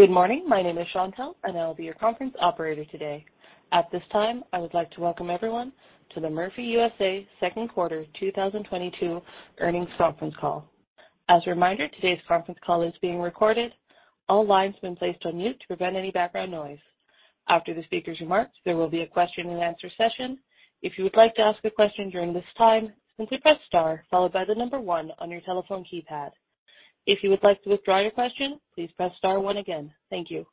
Good morning. My name is Chantelle, and I will be your conference operator today. At this time, I would like to welcome everyone to the Murphy USA second quarter 2022 earnings conference call. As a reminder, today's conference call is being recorded. All lines have been placed on mute to prevent any background noise. After the speaker's remarks, there will be a question-and-answer session. If you would like to ask a question during this time, simply press star followed by the number one on your telephone keypad. If you would like to withdraw your question, please press star one again. Thank you.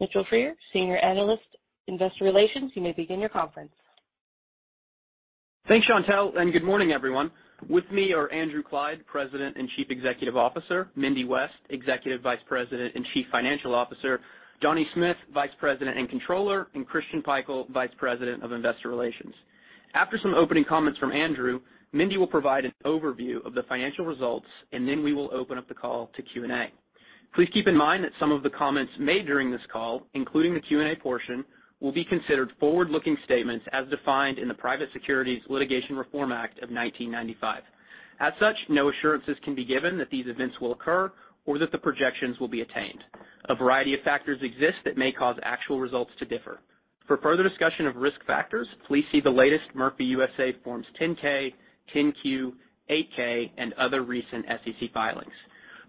Mitchell Freer, Senior Analyst, Investor Relations, you may begin your conference. Thanks, Chantelle, and good morning, everyone. With me are Andrew Clyde, President and Chief Executive Officer, Mindy West, Executive Vice President and Chief Financial Officer, Donnie Smith, Vice President and Controller, and Christian Pikul, Vice President of Investor Relations. After some opening comments from Andrew, Mindy will provide an overview of the financial results, and then we will open up the call to Q&A. Please keep in mind that some of the comments made during this call, including the Q&A portion, will be considered forward-looking statements as defined in the Private Securities Litigation Reform Act of 1995. As such, no assurances can be given that these events will occur or that the projections will be attained. A variety of factors exist that may cause actual results to differ. For further discussion of risk factors, please see the latest Murphy USA Form 10-K, 10-Q, 8-K, and other recent SEC filings.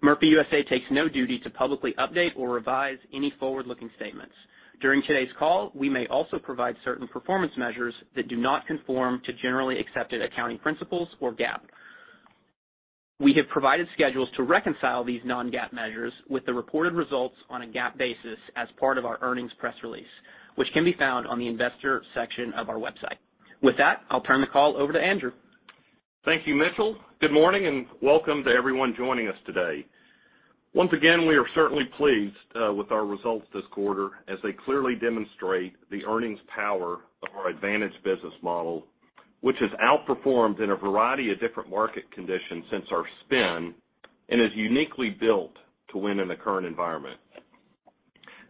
Murphy USA takes no duty to publicly update or revise any forward-looking statements. During today's call, we may also provide certain performance measures that do not conform to generally accepted accounting principles or GAAP. We have provided schedules to reconcile these non-GAAP measures with the reported results on a GAAP basis as part of our earnings press release, which can be found on the investor section of our website. With that, I'll turn the call over to Andrew. Thank you, Mitchell. Good morning, and welcome to everyone joining us today. Once again, we are certainly pleased with our results this quarter as they clearly demonstrate the earnings power of our advantage business model, which has outperformed in a variety of different market conditions since our spin and is uniquely built to win in the current environment.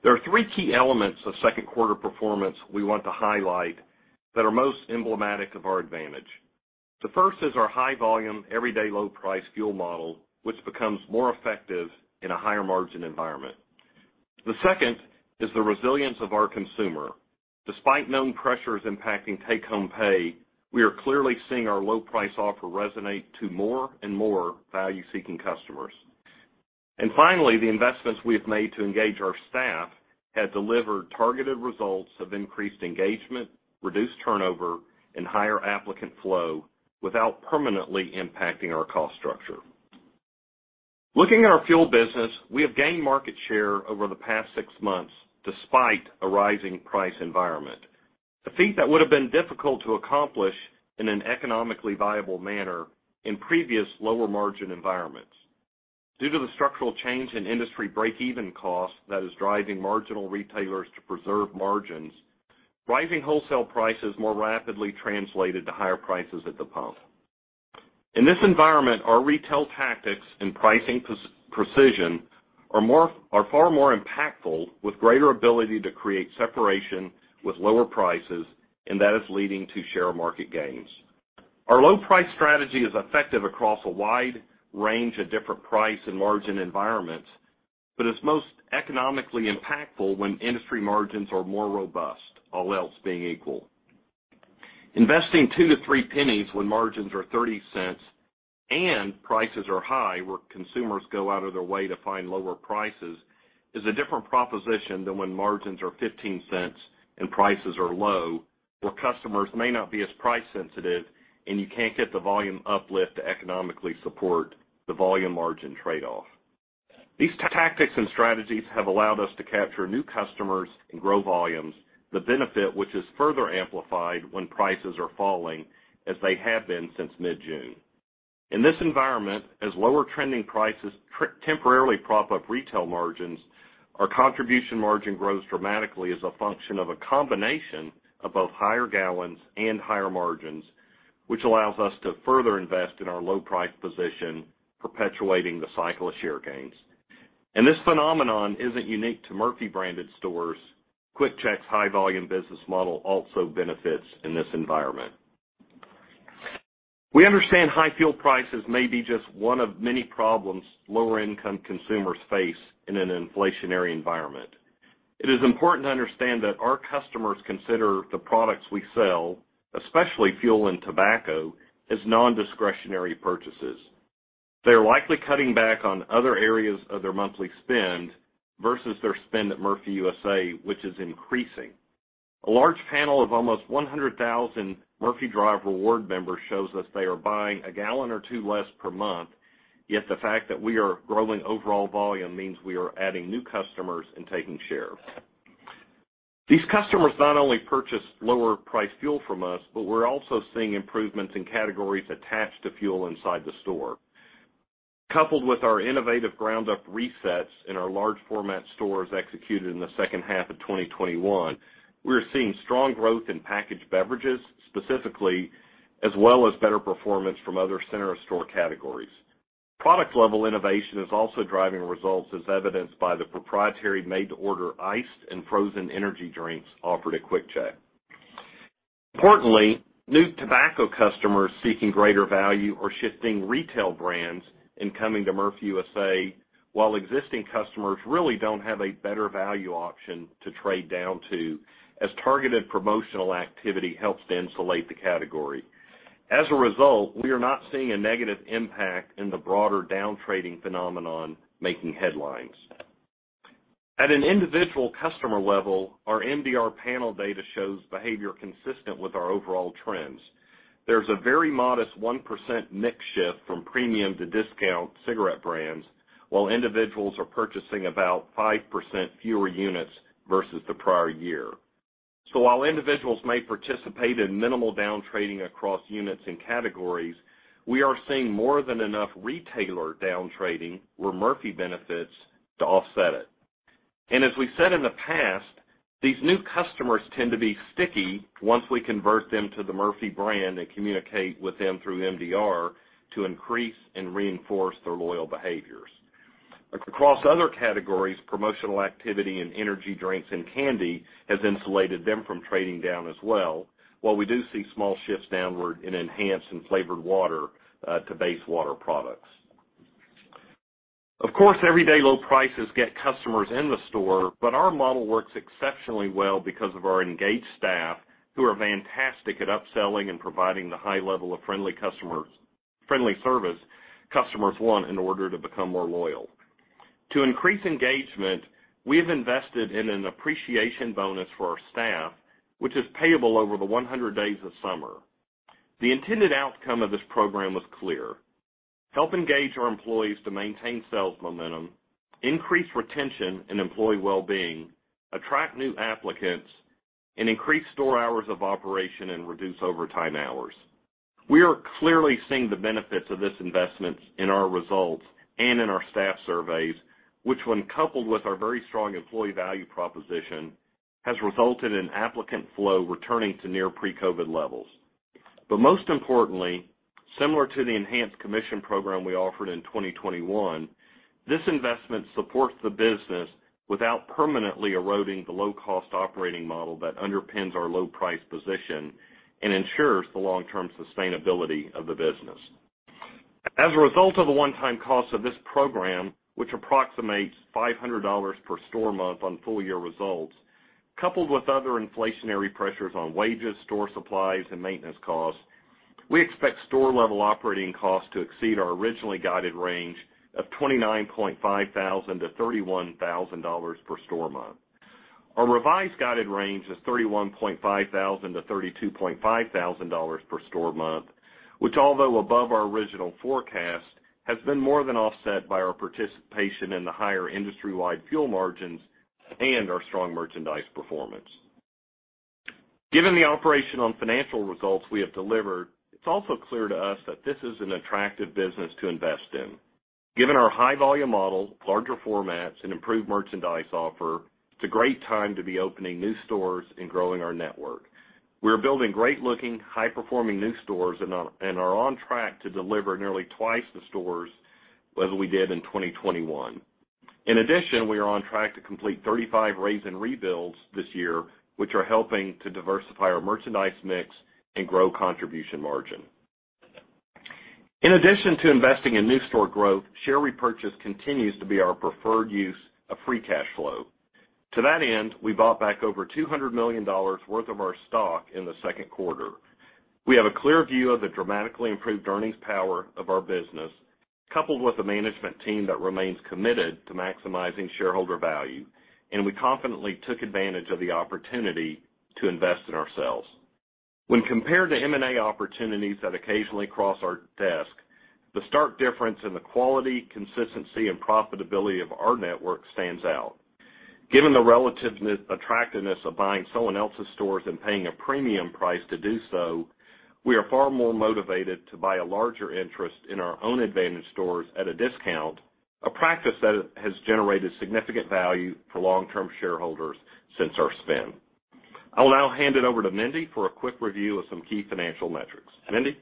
There are three key elements of second quarter performance we want to highlight that are most emblematic of our advantage. The first is our high volume, everyday low price fuel model, which becomes more effective in a higher margin environment. The second is the resilience of our consumer. Despite known pressures impacting take-home pay, we are clearly seeing our low price offer resonate to more and more value-seeking customers. Finally, the investments we have made to engage our staff have delivered targeted results of increased engagement, reduced turnover, and higher applicant flow without permanently impacting our cost structure. Looking at our fuel business, we have gained market share over the past six months despite a rising price environment, a feat that would have been difficult to accomplish in an economically viable manner in previous lower margin environments. Due to the structural change in industry break-even cost that is driving marginal retailers to preserve margins, rising wholesale prices more rapidly translated to higher prices at the pump. In this environment, our retail tactics and pricing precision are far more impactful with greater ability to create separation with lower prices, and that is leading to market share gains. Our low price strategy is effective across a wide range of different price and margin environments, but it's most economically impactful when industry margins are more robust, all else being equal. Investing $0.02-$0.03 when margins are $0.30 and prices are high, where consumers go out of their way to find lower prices, is a different proposition than when margins are $0.15 and prices are low, where customers may not be as price sensitive, and you can't get the volume uplift to economically support the volume margin trade-off. These tactics and strategies have allowed us to capture new customers and grow volumes, the benefit which is further amplified when prices are falling as they have been since mid-June. In this environment, as lower trending prices temporarily prop up retail margins, our contribution margin grows dramatically as a function of a combination of both higher gallons and higher margins, which allows us to further invest in our low price position, perpetuating the cycle of share gains. This phenomenon isn't unique to Murphy branded stores. QuickChek's high volume business model also benefits in this environment. We understand high fuel prices may be just one of many problems lower income consumers face in an inflationary environment. It is important to understand that our customers consider the products we sell, especially fuel and tobacco, as nondiscretionary purchases. They are likely cutting back on other areas of their monthly spend versus their spend at Murphy USA, which is increasing. A large panel of almost 100,000 Murphy Drive Rewards members shows us they are buying a gallon or two less per month, yet the fact that we are growing overall volume means we are adding new customers and taking share. These customers not only purchase lower priced fuel from us, but we're also seeing improvements in categories attached to fuel inside the store. Coupled with our innovative ground up resets in our large format stores executed in the second half of 2021, we are seeing strong growth in packaged beverages specifically, as well as better performance from other center of store categories. Product level innovation is also driving results as evidenced by the proprietary made to order iced and frozen energy drinks offered at QuickChek. Importantly, new tobacco customers seeking greater value are shifting retail brands and coming to Murphy USA, while existing customers really don't have a better value option to trade down to, as targeted promotional activity helps to insulate the category. As a result, we are not seeing a negative impact in the broader down-trading phenomenon making headlines. At an individual customer level, our MDR panel data shows behavior consistent with our overall trends. There's a very modest 1% mix shift from premium to discount cigarette brands, while individuals are purchasing about 5% fewer units versus the prior year. While individuals may participate in minimal down-trading across units and categories, we are seeing more than enough retailer down-trading where Murphy benefits to offset it. As we said in the past, these new customers tend to be sticky once we convert them to the Murphy brand and communicate with them through MDR to increase and reinforce their loyal behaviors. Across other categories, promotional activity in energy drinks and candy has insulated them from trading down as well, while we do see small shifts downward in enhanced and flavored water, to base water products. Of course, everyday low prices get customers in the store, but our model works exceptionally well because of our engaged staff, who are fantastic at upselling and providing the high level of friendly service customers want in order to become more loyal. To increase engagement, we have invested in an appreciation bonus for our staff, which is payable over the 100 days of summer. The intended outcome of this program was clear: help engage our employees to maintain sales momentum, increase retention and employee well-being, attract new applicants, and increase store hours of operation and reduce overtime hours. We are clearly seeing the benefits of this investment in our results and in our staff surveys, which when coupled with our very strong employee value proposition, has resulted in applicant flow returning to near pre-COVID levels. Most importantly, similar to the enhanced commission program we offered in 2021, this investment supports the business without permanently eroding the low-cost operating model that underpins our low price position and ensures the long-term sustainability of the business. As a result of the one-time cost of this program, which approximates $500 per store month on full year results, coupled with other inflationary pressures on wages, store supplies and maintenance costs, we expect store-level operating costs to exceed our originally guided range of $29,500-$31,000 per store month. Our revised guided range is $31,500-$32,500 per store month, which although above our original forecast, has been more than offset by our participation in the higher industry-wide fuel margins and our strong merchandise performance. Given the operating and financial results we have delivered, it's also clear to us that this is an attractive business to invest in. Given our high volume model, larger formats and improved merchandise offer, it's a great time to be opening new stores and growing our network. We're building great-looking, high-performing new stores and are on track to deliver nearly twice the stores than we did in 2021. In addition, we are on track to complete 35 raze and rebuilds this year, which are helping to diversify our merchandise mix and grow contribution margin. In addition to investing in new store growth, share repurchase continues to be our preferred use of free cash flow. To that end, we bought back over $200 million worth of our stock in the second quarter. We have a clear view of the dramatically improved earnings power of our business, coupled with a management team that remains committed to maximizing shareholder value, and we confidently took advantage of the opportunity to invest in ourselves. When compared to M&A opportunities that occasionally cross our desk, the stark difference in the quality, consistency and profitability of our network stands out. Given the relative attractiveness of buying someone else's stores and paying a premium price to do so, we are far more motivated to buy a larger interest in our own advantage stores at a discount, a practice that has generated significant value for long-term shareholders since our spin. I'll now hand it over to Mindy for a quick review of some key financial metrics. Mindy?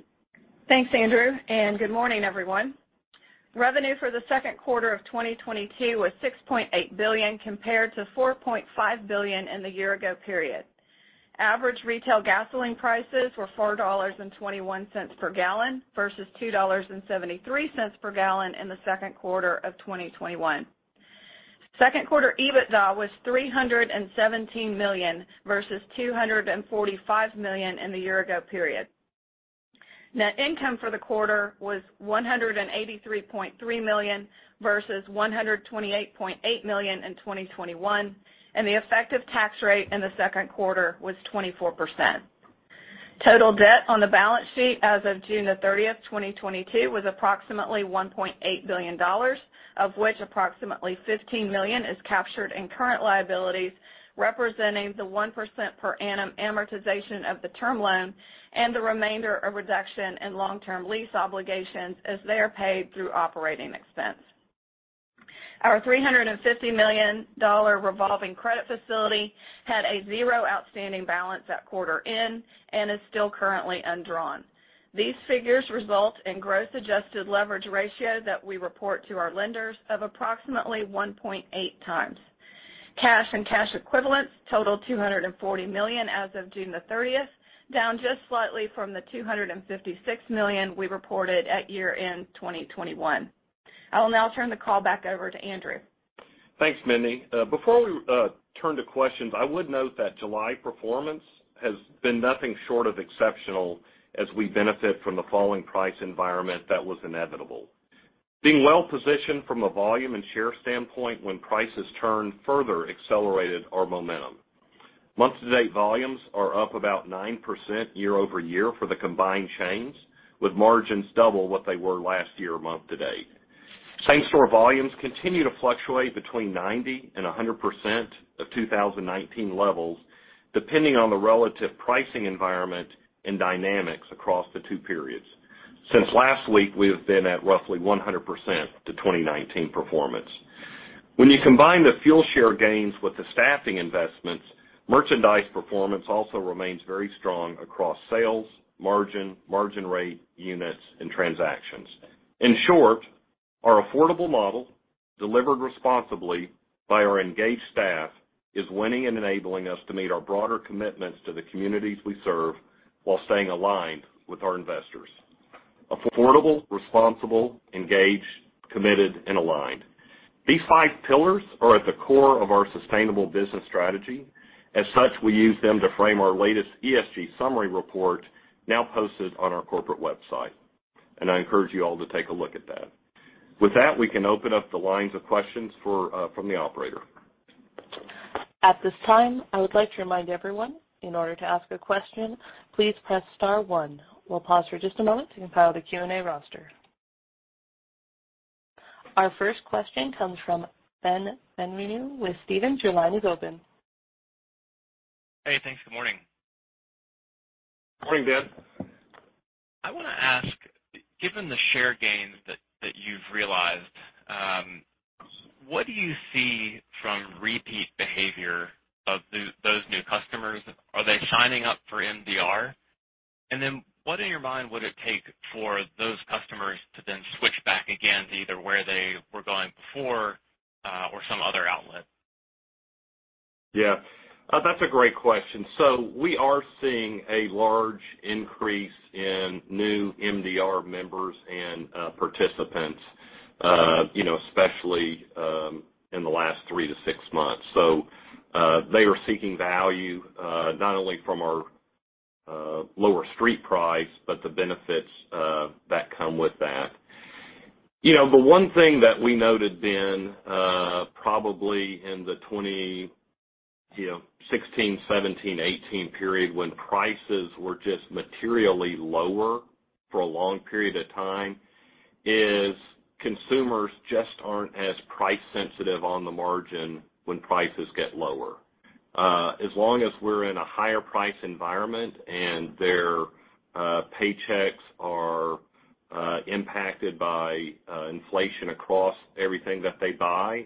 Thanks, Andrew, and good morning, everyone. Revenue for the second quarter of 2022 was $6.8 billion, compared to $4.5 billion in the year ago period. Average retail gasoline prices were $4.21 per gallon versus $2.73 per gallon in the second quarter of 2021. Second quarter EBITDA was $317 million versus $245 million in the year ago period. Net income for the quarter was $183.3 million versus $128.8 million in 2021, and the effective tax rate in the second quarter was 24%. Total debt on the balance sheet as of June 30th, 2022 was approximately $1.8 billion, of which approximately $15 million is captured in current liabilities, representing the 1% per annum amortization of the term loan and the remainder a reduction in long-term lease obligations as they are paid through operating expense. Our $350 million revolving credit facility had a $0 outstanding balance at quarter end and is still currently undrawn. These figures result in gross adjusted leverage ratio that we report to our lenders of approximately 1.8x. Cash and cash equivalents totaled $240 million as of June 30th, down just slightly from the $256 million we reported at year-end 2021. I will now turn the call back over to Andrew. Thanks, Mindy. Before we turn to questions, I would note that July performance has been nothing short of exceptional as we benefit from the falling price environment that was inevitable. Being well-positioned from a volume and share standpoint when prices turned further accelerated our momentum. Month-to-date volumes are up about 9% year-over-year for the combined chains, with margins double what they were last year month-to-date. Same-store volumes continue to fluctuate between 90% and 100% of 2019 levels, depending on the relative pricing environment and dynamics across the two periods. Since last week, we have been at roughly 100% of 2019 performance. When you combine the fuel share gains with the staffing investments, merchandise performance also remains very strong across sales, margin rate, units and transactions. In short, our affordable model, delivered responsibly by our engaged staff, is winning and enabling us to meet our broader commitments to the communities we serve while staying aligned with our investors. Affordable, responsible, engaged, committed and aligned. These five pillars are at the core of our sustainable business strategy. As such, we use them to frame our latest ESG summary report, now posted on our corporate website, and I encourage you all to take a look at that. With that, we can open up the lines of questions for from the operator. At this time, I would like to remind everyone, in order to ask a question, please press star one. We'll pause for just a moment to compile the Q&A roster. Our first question comes from Ben Bienvenu with Stephens. Your line is open. Hey, thanks. Good morning. Morning, Ben. I wanna ask, given the share gains that you've realized, what do you see from repeat behavior of those new customers? Are they signing up for MDR? What in your mind would it take for those customers to then switch back again to either where they were going before, or some other outlet? Yeah. That's a great question. We are seeing a large increase in new MDR members and participants, you know, especially in the last three to six months. They are seeking value not only from our lower street price, but the benefits that come with that. You know, one thing that we noted, Ben, probably in the 2016, you know, 2017, 2018 period when prices were just materially lower for a long period of time, is consumers just aren't as price sensitive on the margin when prices get lower. As long as we're in a higher price environment and their paychecks are impacted by inflation across everything that they buy,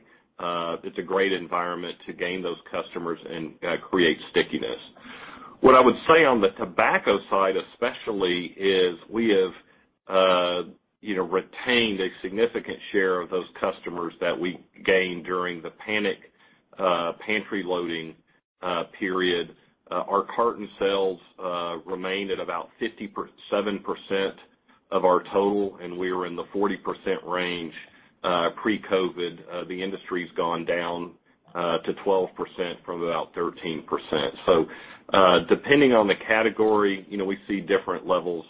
it's a great environment to gain those customers and create stickiness. What I would say on the tobacco side especially is we have, you know, retained a significant share of those customers that we gained during the panic pantry loading period. Our carton sales remained at about 57% of our total, and we were in the 40% range pre-COVID. The industry's gone down to 12% from about 13%. Depending on the category, you know, we see different levels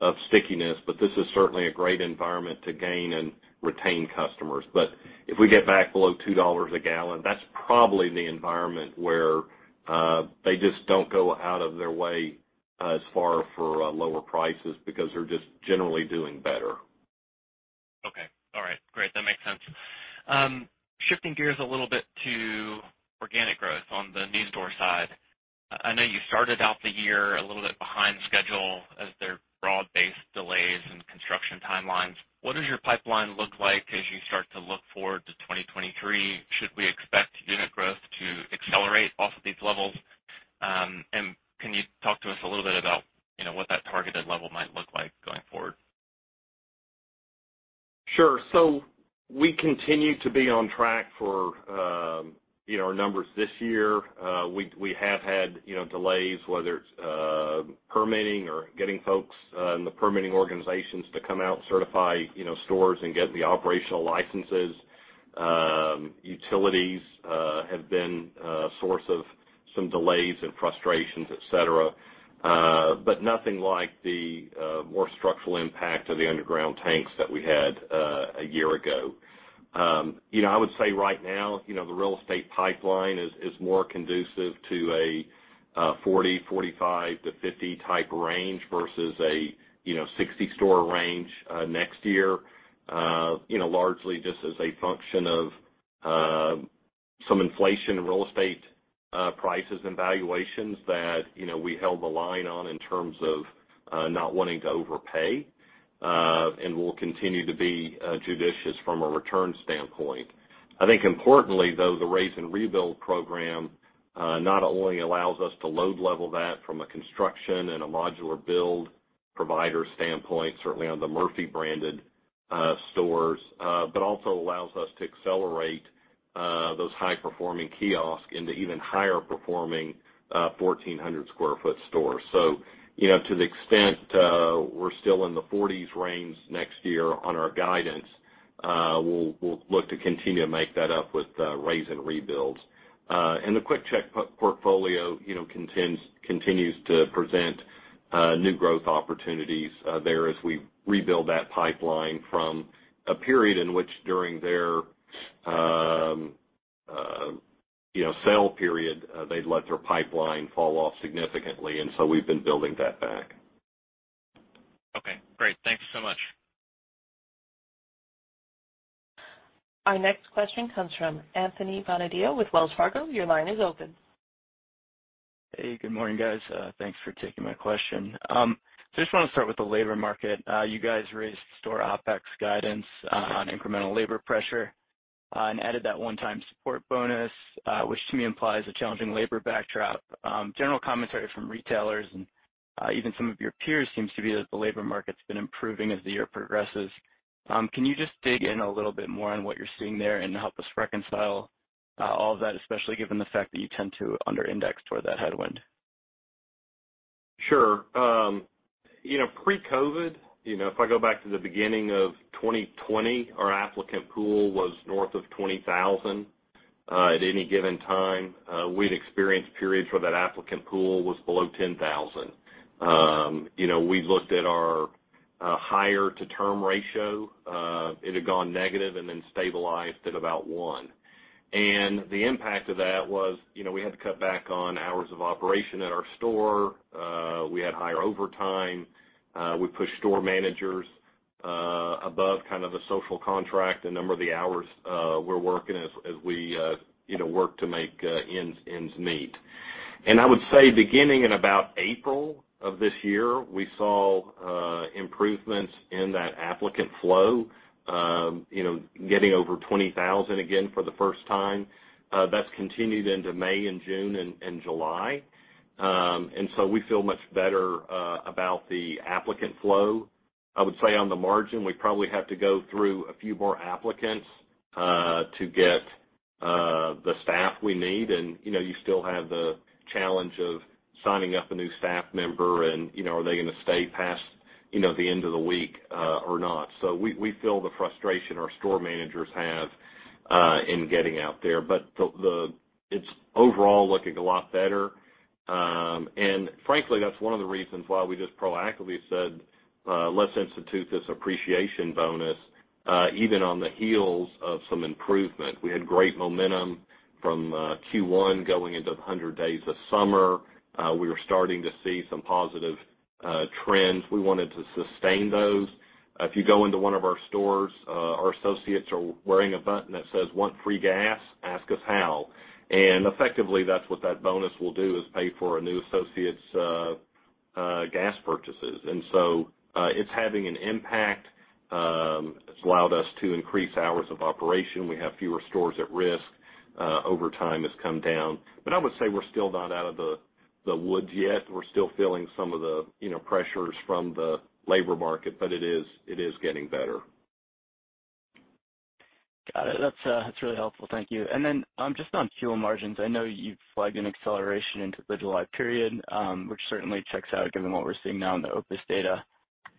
of stickiness, but this is certainly a great environment to gain and retain customers. If we get back below $2 a gallon, that's probably the environment where they just don't go out of their way as far for lower prices because they're just generally doing better. Okay. All right. Great. That makes sense. Shifting gears a little bit to organic growth on the new store side. I know you started out the year a little bit behind schedule as there are broad-based delays in construction timelines. What does your pipeline look like as you start to look forward to 2023? Should we expect unit growth to accelerate off of these levels? Can you talk to us a little bit about, you know, what that targeted level might look like going forward? Sure. We continue to be on track for, you know, our numbers this year. We have had, you know, delays, whether it's permitting or getting folks in the permitting organizations to come out, certify, you know, stores and get the operational licenses. Utilities have been a source of some delays and frustrations, et cetera. Nothing like the more structural impact of the underground tanks that we had a year ago. You know, I would say right now, you know, the real estate pipeline is more conducive to a 40, 45-50 type range versus a, you know, 60-store range next year, you know, largely just as a function of some inflation in real estate prices and valuations that, you know, we held the line on in terms of not wanting to overpay, and we'll continue to be judicious from a return standpoint. I think importantly, though, the raze and rebuild program not only allows us to load level that from a construction and a modular build provider standpoint, certainly on the Murphy branded stores, but also allows us to accelerate those high-performing kiosks into even higher performing 1,400 sq ft stores. You know, to the extent we're still in the forties range next year on our guidance, we'll look to continue to make that up with raze and rebuilds. The QuickChek portfolio, you know, continues to present new growth opportunities there as we rebuild that pipeline from a period in which during their you know sale period, they'd let their pipeline fall off significantly, and so we've been building that back. Okay, great. Thank you so much. Our next question comes from Anthony Bonadio with Wells Fargo. Your line is open. Hey, good morning, guys. Thanks for taking my question. I just wanna start with the labor market. You guys raised store OpEx guidance on incremental labor pressure and added that one-time support bonus, which to me implies a challenging labor backdrop. General commentary from retailers and even some of your peers seems to be that the labor market's been improving as the year progresses. Can you just dig in a little bit more on what you're seeing there and help us reconcile all of that, especially given the fact that you tend to under index toward that headwind? Sure. You know, pre-COVID, you know, if I go back to the beginning of 2020, our applicant pool was north of 20,000 at any given time. We'd experienced periods where that applicant pool was below 10,000. You know, we looked at our hire to term ratio. It had gone negative and then stabilized at about one. The impact of that was, you know, we had to cut back on hours of operation at our store. We had higher overtime. We pushed store managers above kind of the social contract, the number of the hours we're working as we, you know, work to make ends meet. I would say beginning in about April of this year, we saw improvements in that applicant flow, you know, getting over 20,000 again for the first time. That's continued into May and June, and July. We feel much better about the applicant flow. I would say on the margin, we probably have to go through a few more applicants to get the staff we need. You know, you still have the challenge of signing up a new staff member and, you know, are they gonna stay past, you know, the end of the week or not. We feel the frustration our store managers have in getting out there. But it's overall looking a lot better. Frankly, that's one of the reasons why we just proactively said, "Let's institute this appreciation bonus," even on the heels of some improvement. We had great momentum from Q1 going into the 100 days of summer. We were starting to see some positive trends. We wanted to sustain those. If you go into one of our stores, our associates are wearing a button that says, "Want free gas? Ask us how." Effectively, that's what that bonus will do, is pay for a new associate's gas purchases. It's having an impact. It's allowed us to increase hours of operation. We have fewer stores at risk. Over time, it's come down. I would say we're still not out of the woods yet. We're still feeling some of the, you know, pressures from the labor market, but it is getting better. Got it. That's really helpful. Thank you. Just on fuel margins, I know you've flagged an acceleration into the July period, which certainly checks out given what we're seeing now in the OPIS data.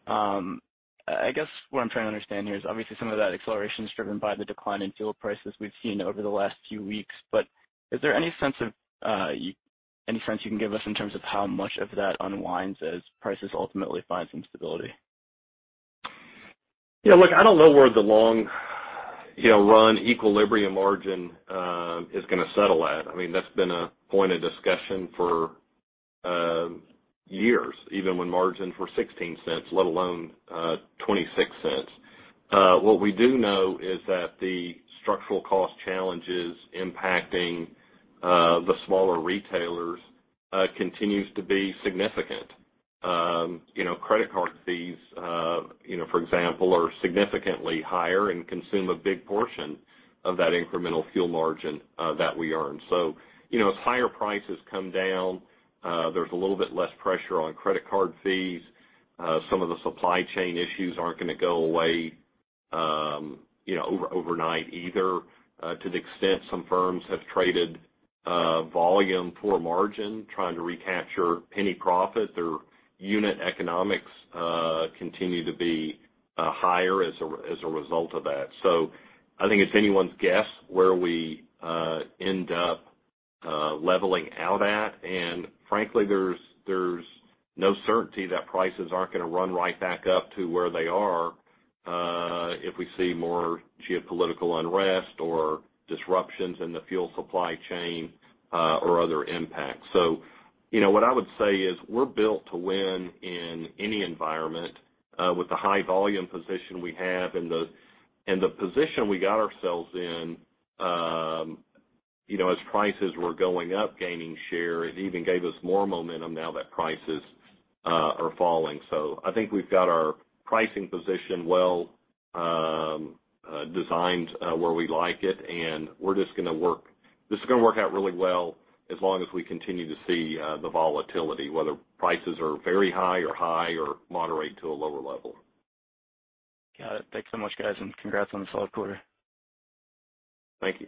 I guess what I'm trying to understand here is obviously some of that acceleration is driven by the decline in fuel prices we've seen over the last few weeks. Is there any sense you can give us in terms of how much of that unwinds as prices ultimately find some stability? Yeah, look, I don't know where the long, you know, run equilibrium margin is gonna settle at. I mean, that's been a point of discussion for years, even when margins were $0.16, let alone $0.26. What we do know is that the structural cost challenges impacting the smaller retailers continues to be significant. You know, credit card fees, you know, for example, are significantly higher and consume a big portion of that incremental fuel margin that we earn. You know, as higher prices come down, there's a little bit less pressure on credit card fees. Some of the supply chain issues aren't gonna go away, you know, overnight either. To the extent some firms have traded volume for margin trying to recapture penny profit, their unit economics continue to be higher as a result of that. I think it's anyone's guess where we end up leveling out at. Frankly, there's no certainty that prices aren't gonna run right back up to where they are, if we see more geopolitical unrest or disruptions in the fuel supply chain, or other impacts. You know, what I would say is we're built to win in any environment with the high volume position we have and the position we got ourselves in, you know, as prices were going up gaining share. It even gave us more momentum now that prices are falling. I think we've got our pricing position well designed, where we like it, and we're just gonna work. This is gonna work out really well as long as we continue to see the volatility, whether prices are very high or high or moderate to a lower level. Got it. Thanks so much, guys, and congrats on the solid quarter. Thank you.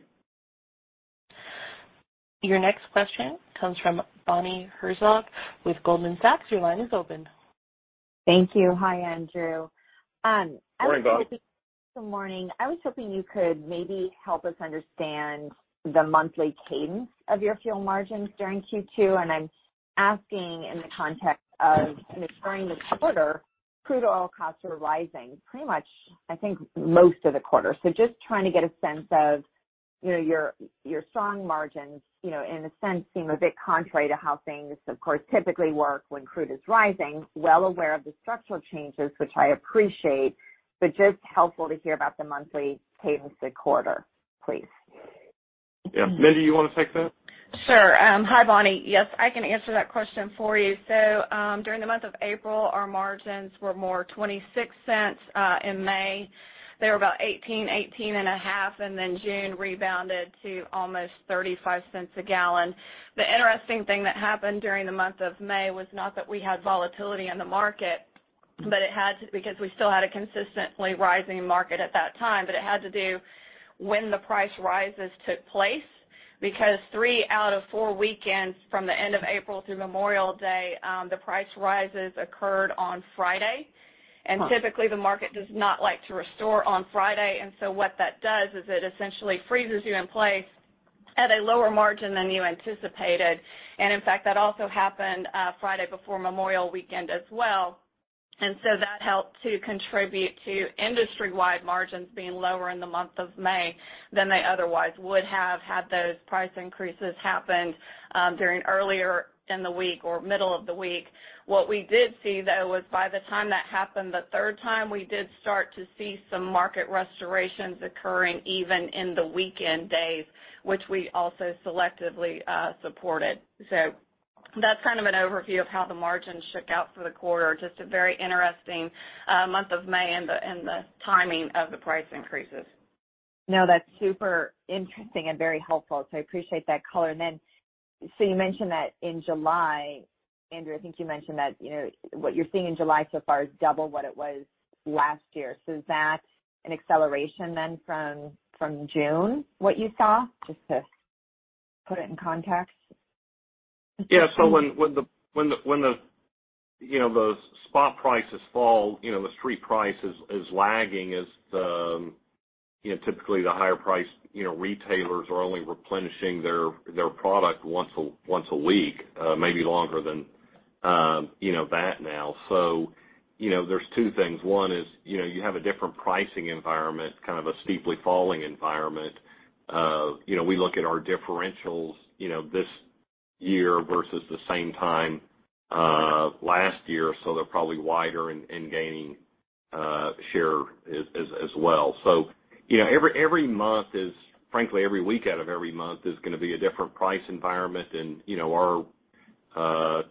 Your next question comes from Bonnie Herzog with Goldman Sachs. Your line is open. Thank you. Hi, Andrew. I was hoping. Morning, Bonnie. This morning, I was hoping you could maybe help us understand the monthly cadence of your fuel margins during Q2, and I'm asking in the context of, you know, during the quarter, crude oil costs were rising pretty much, I think, most of the quarter. Just trying to get a sense of, you know, your strong margins, you know, in a sense, seem a bit contrary to how things of course typically work when crude is rising, well aware of the structural changes, which I appreciate, but just helpful to hear about the monthly cadence of the quarter, please. Yeah. Mindy, you wanna take that? Sure. Hi, Bonnie. Yes, I can answer that question for you. During the month of April, our margins were more $0.26. In May, they were about $0.18, $0.185, and then June rebounded to almost $0.35 a gallon. The interesting thing that happened during the month of May was not that we had volatility in the market, but because we still had a consistently rising market at that time, but it had to do with when the price rises took place. Because three out of four weekends from the end of April through Memorial Day, the price rises occurred on Friday. Typically, the market does not like to reprice on Friday, and so what that does is it essentially freezes you in place at a lower margin than you anticipated. In fact, that also happened Friday before Memorial weekend as well. That helped to contribute to industry-wide margins being lower in the month of May than they otherwise would have had those price increases happened during earlier in the week or middle of the week. What we did see, though, was by the time that happened the third time, we did start to see some market restorations occurring even in the weekend days, which we also selectively supported. That's kind of an overview of how the margins shook out for the quarter. Just a very interesting month of May and the timing of the price increases. No, that's super interesting and very helpful, so I appreciate that color. You mentioned that in July, Andrew, I think you mentioned that, you know, what you're seeing in July so far is double what it was last year. Is that an acceleration then from June, what you saw? Just to put it in context. Yeah. When the, you know, those spot prices fall, you know, the street price is lagging as the. You know, typically the higher price, you know, retailers are only replenishing their product once a week, maybe longer than, you know, that now. You know, there's two things. One is, you know, you have a different pricing environment, kind of a steeply falling environment. You know, we look at our differentials, you know, this year versus the same time last year, so they're probably wider and gaining share as well. You know, every month is, frankly, every week out of every month is gonna be a different price environment and, you know, our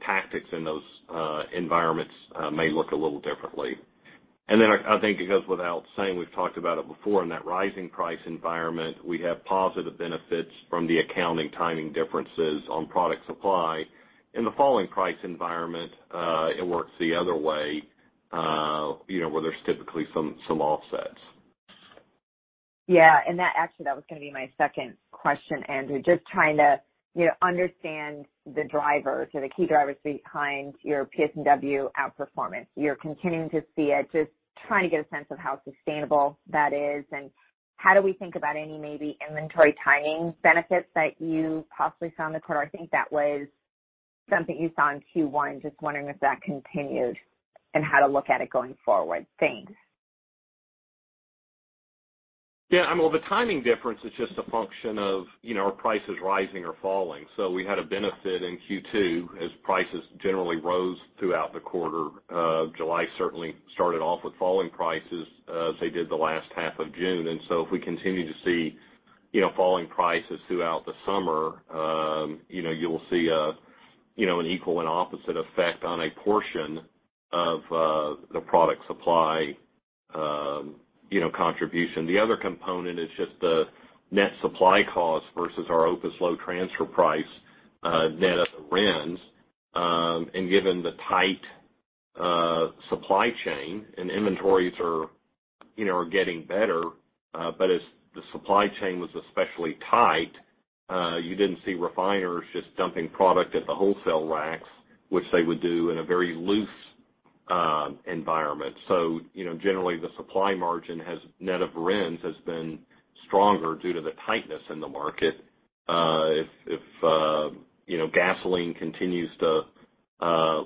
tactics in those environments may look a little differently. I think it goes without saying, we've talked about it before, in that rising price environment, we have positive benefits from the accounting timing differences on product supply. In the falling price environment, it works the other way, you know, where there's typically some offsets. Yeah. That actually, that was gonna be my second question, Andrew. Just trying to, you know, understand the drivers or the key drivers behind your PS&W outperformance. You're continuing to see it. Just trying to get a sense of how sustainable that is, and how do we think about any maybe inventory timing benefits that you possibly saw in the quarter? I think that was something you saw in Q1. Just wondering if that continued and how to look at it going forward. Thanks. Yeah. I mean, well, the timing difference is just a function of, you know, are prices rising or falling. We had a benefit in Q2 as prices generally rose throughout the quarter. July certainly started off with falling prices as they did the last half of June. If we continue to see, you know, falling prices throughout the summer, you know, you'll see a, you know, an equal and opposite effect on a portion of the product supply, you know, contribution. The other component is just the net supply cost versus our OPIS Low transfer price, net of RINs. Given the tight supply chain and inventories are getting better, but as the supply chain was especially tight, you didn't see refiners just dumping product at the wholesale racks, which they would do in a very loose environment. Generally, the supply margin net of RINs has been stronger due to the tightness in the market. If, you know, gasoline continues to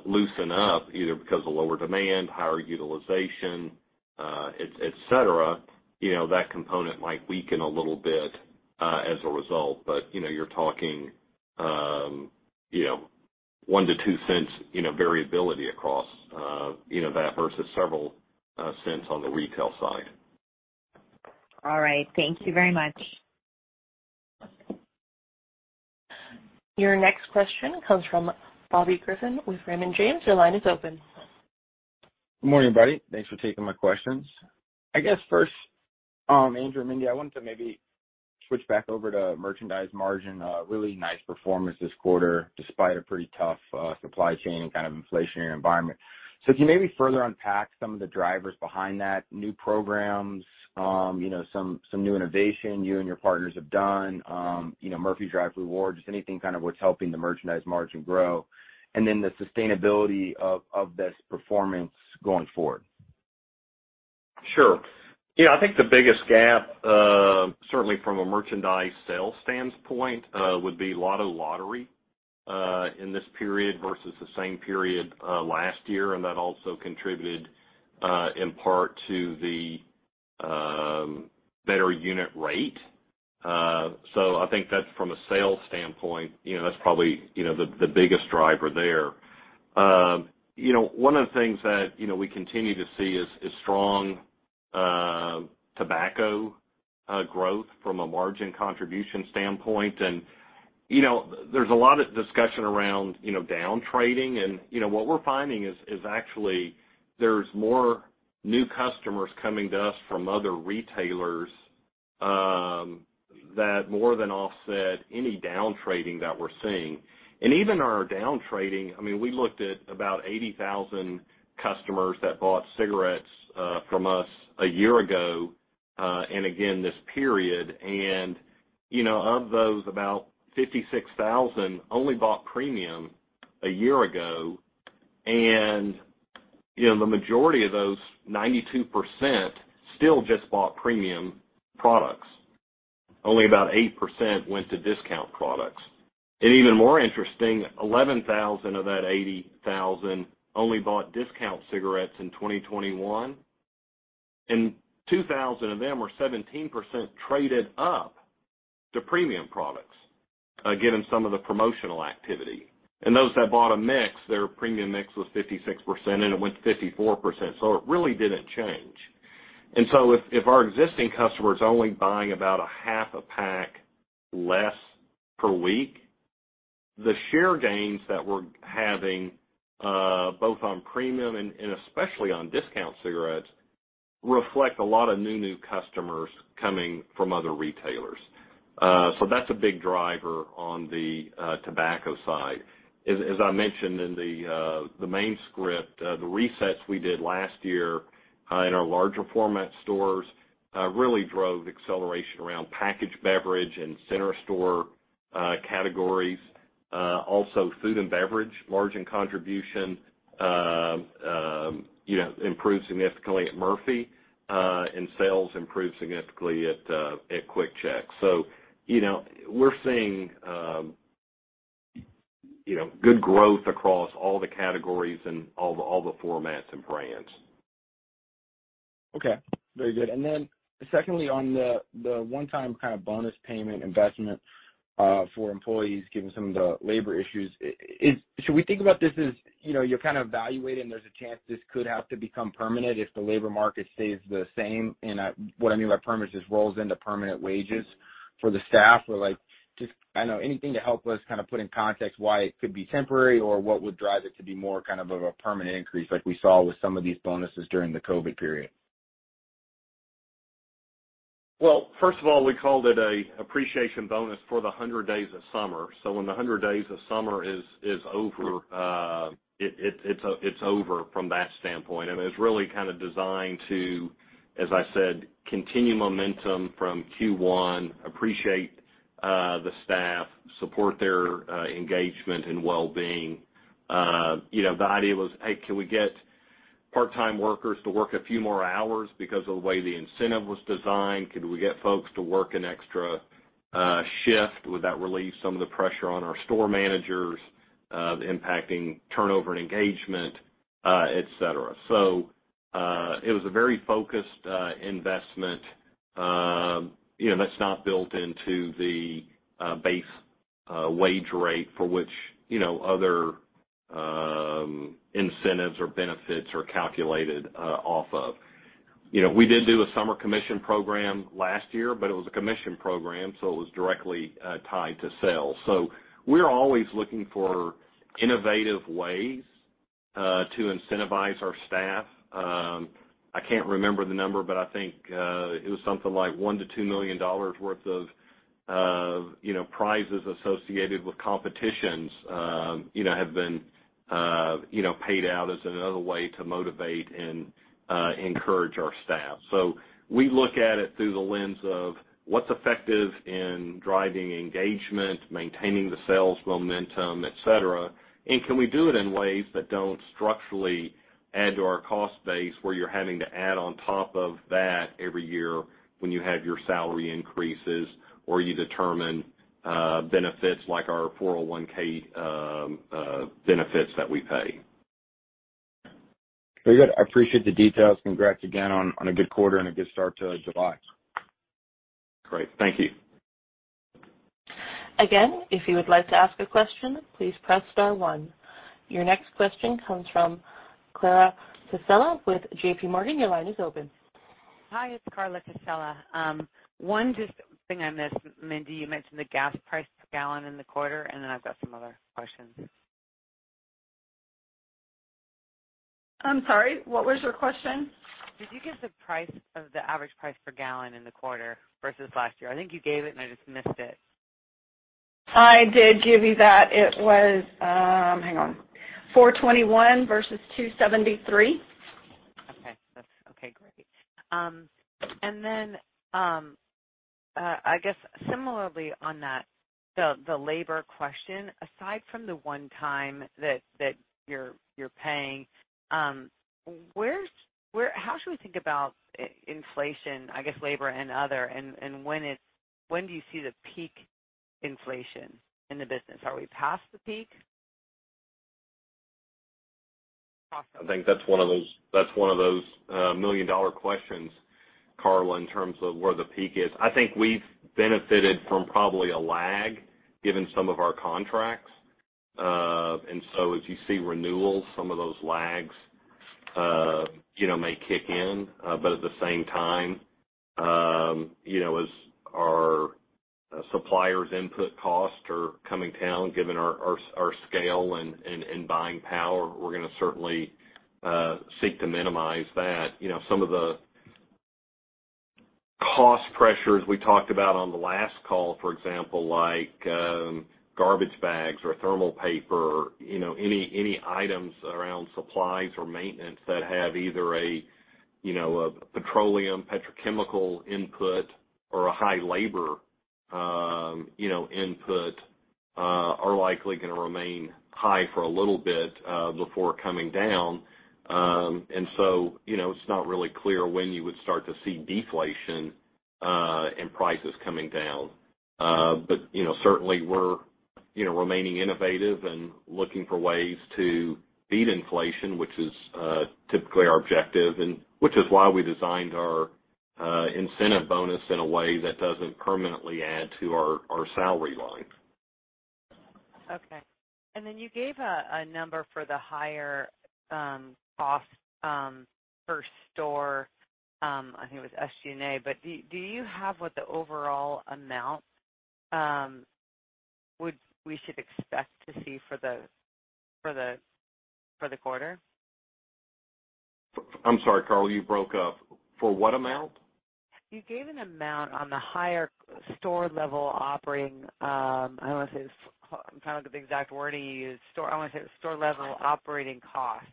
loosen up, either because of lower demand, higher utilization, et cetera, you know, that component might weaken a little bit as a result. You're talking $0.01-$0.02 variability across that versus several cents on the retail side. All right. Thank you very much. Your next question comes from Bobby Griffin with Raymond James. Your line is open. Good morning, everybody. Thanks for taking my questions. I guess first, Andrew and Mindy, I wanted to maybe switch back over to merchandise margin. Really nice performance this quarter, despite a pretty tough supply chain and kind of inflationary environment. Can you maybe further unpack some of the drivers behind that, new programs, you know, some new innovation you and your partners have done, you know, Murphy Drive Rewards, just anything kind of what's helping the merchandise margin grow, and then the sustainability of this performance going forward? Sure. Yeah, I think the biggest gap, certainly from a merchandise sales standpoint, would be a lot of lottery, in this period versus the same period, last year. That also contributed, in part to the better unit rate. I think that's from a sales standpoint, you know, that's probably, you know, the biggest driver there. You know, one of the things that, you know, we continue to see is strong tobacco growth from a margin contribution standpoint. You know, there's a lot of discussion around, you know, down trading. You know, what we're finding is actually there's more new customers coming to us from other retailers, that more than offset any down trading that we're seeing. Even our down trading, I mean, we looked at about 80,000 customers that bought cigarettes from us a year ago and again this period. You know, of those about 56,000 only bought premium a year ago. You know, the majority of those, 92%, still just bought premium products. Only about 8% went to discount products. Even more interesting, 11,000 of that 80,000 only bought discount cigarettes in 2021, and 2,000 of them were 17% traded up to premium products, again, in some of the promotional activity. Those that bought a mix, their premium mix was 56%, and it went to 54%. So it really didn't change. If our existing customer is only buying about a half a pack less per week, the share gains that we're having both on premium and especially on discount cigarettes reflect a lot of new customers coming from other retailers. That's a big driver on the tobacco side. As I mentioned in the main script, the resets we did last year in our larger format stores really drove acceleration around packaged beverage and center store categories. Food and beverage margin contribution improved significantly at Murphy, and sales improved significantly at QuickChek. You know, we're seeing good growth across all the categories and all the formats and brands. Okay, very good. Secondly, on the one-time kind of bonus payment investment for employees, given some of the labor issues, should we think about this as, you know, you're kind of evaluating, there's a chance this could have to become permanent if the labor market stays the same? What I mean by permanent, just rolls into permanent wages for the staff or like just I know anything to help us kind of put in context why it could be temporary or what would drive it to be more kind of a permanent increase like we saw with some of these bonuses during the COVID period. Well, first of all, we called it an appreciation bonus for the 100 days of summer. When the 100 days of summer is over, it's over from that standpoint. It's really kind of designed to, as I said, continue momentum from Q1, appreciate the staff, support their engagement and well-being. You know, the idea was, hey, can we get part-time workers to work a few more hours because of the way the incentive was designed? Could we get folks to work an extra shift? Would that relieve some of the pressure on our store managers, impacting turnover and engagement, et cetera. It was a very focused investment, you know, that's not built into the base wage rate for which, you know, other incentives or benefits are calculated off of. You know, we did do a summer commission program last year, but it was a commission program, so it was directly tied to sales. We're always looking for innovative ways to incentivize our staff. I can't remember the number, but I think it was something like $1 million-$2 million worth of you know, prizes associated with competitions have been you know, paid out as another way to motivate and encourage our staff. We look at it through the lens of what's effective in driving engagement, maintaining the sales momentum, et cetera. Can we do it in ways that don't structurally add to our cost base, where you're having to add on top of that every year when you have your salary increases or you determine benefits like our 401(k) benefits that we pay. Very good. I appreciate the details. Congrats again on a good quarter and a good start to July. Great. Thank you. Again, if you would like to ask a question, please press star one. Your next question comes from Carla Casella with JP Morgan. Your line is open. Hi, it's Carla Casella. One thing I just missed, Mindy, you mentioned the gas price per gallon in the quarter, and then I've got some other questions. I'm sorry, what was your question? Did you get the average price per gallon in the quarter versus last year? I think you gave it, and I just missed it. I did give you that. It was, hang on, $4.21 versus $2.73. Okay. That's okay, great. I guess similarly on that, the labor question, aside from the one-time that you're paying, how should we think about inflation, I guess labor and other, and when do you see the peak inflation in the business? Are we past the peak? I think that's one of those million-dollar questions, Carla, in terms of where the peak is. I think we've benefited from probably a lag given some of our contracts. If you see renewals, some of those lags, you know, may kick in. At the same time, you know, as our suppliers' input costs are coming down, given our scale and buying power, we're gonna certainly seek to minimize that. You know, some of the cost pressures we talked about on the last call, for example, like, garbage bags or thermal paper, you know, any items around supplies or maintenance that have either a, you know, a petroleum, petrochemical input or a high labor, you know, input, are likely gonna remain high for a little bit, before coming down. You know, it's not really clear when you would start to see deflation and prices coming down. You know, certainly we're remaining innovative and looking for ways to beat inflation, which is typically our objective and which is why we designed our incentive bonus in a way that doesn't permanently add to our salary line. Okay. You gave a number for the higher cost per store. I think it was SG&A, but do you have what the overall amount we should expect to see for the quarter? I'm sorry, Carla, you broke up. For what amount? You gave an amount on the higher store level operating. I don't wanna say it was. I'm trying to look at the exact wording you used. I wanna say store level operating costs,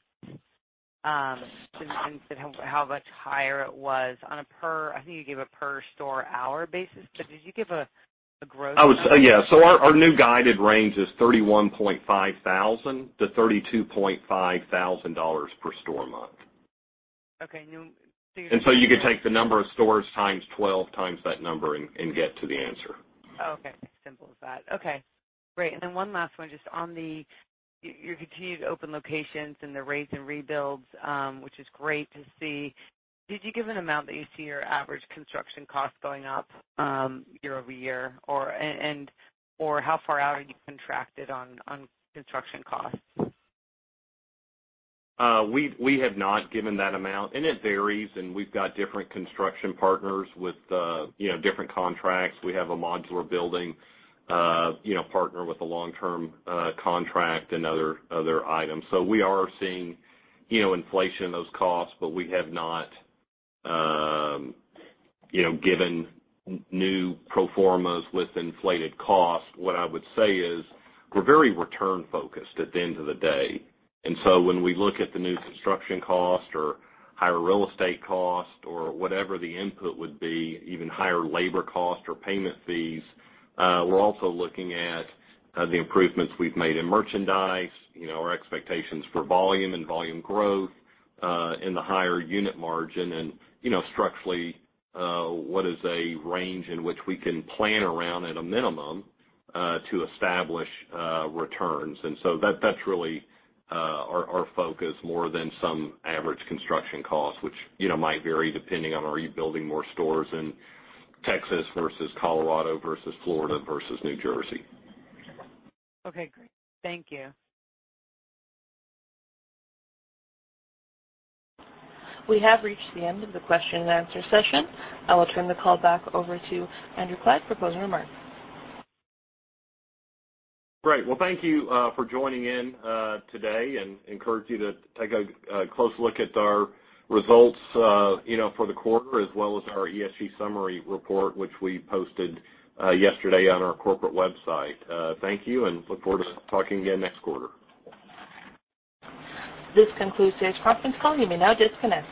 and you said how much higher it was on a per store hour basis. But did you give a gross amount? Our new guided range is $31,500-$32,500 per store a month. Okay. You could take the number of stores times 12 times that number and get to the answer. Oh, okay. Simple as that. Okay, great. Then one last one, just on the. You continued to open locations and the raze and rebuilds, which is great to see. Did you give an amount that you see your average construction cost going up, year-over-year? Or how far out are you contracted on construction costs? We have not given that amount, and it varies, and we've got different construction partners with, you know, different contracts. We have a modular building, you know, partner with a long-term, contract and other items. We are seeing, you know, inflation in those costs, but we have not, you know, given new pro formas with inflated costs. What I would say is we're very return focused at the end of the day. When we look at the new construction cost or higher real estate cost or whatever the input would be, even higher labor cost or payment fees, we're also looking at the improvements we've made in merchandise, you know, our expectations for volume and volume growth, and the higher unit margin and, you know, structurally, what is a range in which we can plan around at a minimum to establish returns. That that's really our focus more than some average construction cost, which, you know, might vary depending on are you building more stores in Texas versus Colorado versus Florida versus New Jersey. Okay, great. Thank you. We have reached the end of the question and answer session. I will turn the call back over to Andrew Clyde for closing remarks. Great. Well, thank you for joining in today and encourage you to take a close look at our results, you know, for the quarter as well as our ESG summary report, which we posted yesterday on our corporate website. Thank you and look forward to talking again next quarter. This concludes today's conference call. You may now disconnect.